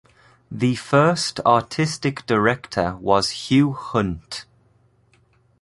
The first artistic director was Hugh Hunt.